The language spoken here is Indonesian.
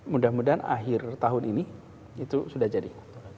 mudah mudahan akhir tahun ini itu sudah jadi